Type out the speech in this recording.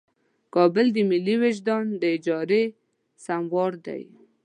کابل د ملي وجدان د اجارې سموار دی.